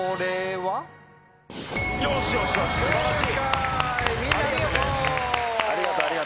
はい。